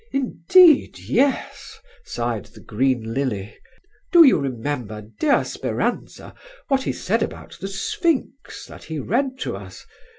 "Indeed, yes," sighed the green lily, "do you remember, dear Speranza, what he said about 'The Sphinx,' that he read to us.